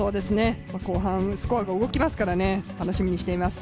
後半、スコアが動きますからね、楽しみにしてます。